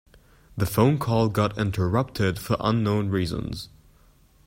The phone call got interrupted for unknown reasons.